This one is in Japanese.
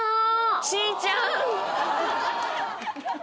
しちゃん！